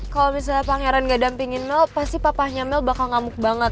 kalau misalnya pangeran gak dampingin mel pasti papanya mel bakal ngamuk banget